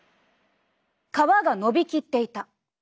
皮がのびきっていた。